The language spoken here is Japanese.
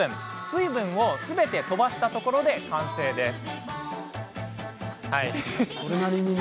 水分をすべて飛ばしたところで完成です。